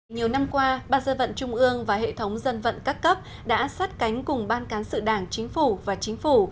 nhiều năm qua ban dân vận trung ương và hệ thống dân vận các cấp đã sát cánh cùng ban cán sự đảng chính phủ và chính phủ